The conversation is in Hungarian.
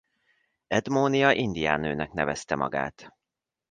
Edmonia indián nőnek nevezte magát.